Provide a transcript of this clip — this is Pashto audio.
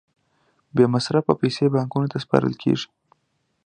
بې مصرفه پیسې بانکونو ته سپارل کېږي